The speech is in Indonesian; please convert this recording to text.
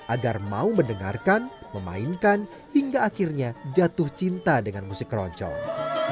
agar mau mendengarkan memainkan hingga akhirnya jatuh cinta dengan musik keroncong